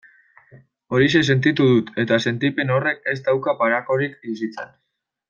Horixe sentitu dut, eta sentipen horrek ez dauka parekorik bizitzan.